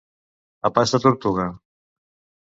A pas de tortuga.